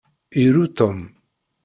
Iru Tom.